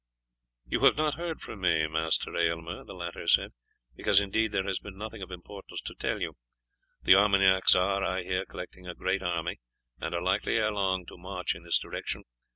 "You have not heard from me, Master Aylmer," the latter said, "because indeed there has been nothing of importance to tell you. The Armagnacs are, I hear, collecting a great army, and are likely ere long to march in this direction.